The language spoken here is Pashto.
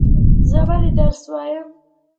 زه ولی درس وایم؟